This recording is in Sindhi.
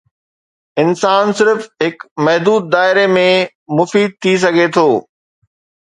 انسان صرف هڪ محدود دائري ۾ مفيد ٿي سگهي ٿو.